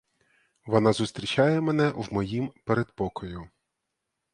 Вона зустрічає мене в моїм передпокою.